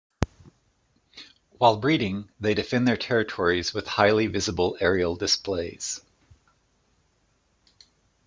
While breeding, they defend their territories with highly visible aerial displays.